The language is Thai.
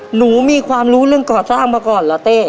หนูมีความรู้เรื่องก่อสร้างมาก่อนเหรอเต้